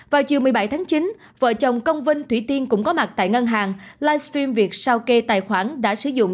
vào chiều một mươi bảy tháng chín vợ chồng công vinh thủy tiên cũng có mặt tại ngân hàng livestream việt sao kê tài khoản đã sử dụng